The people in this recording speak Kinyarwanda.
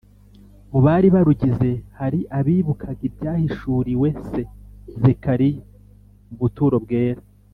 . Mu bari barugize, hari abibukaga ibyahishuriwe se Zakariya mu buturo bwera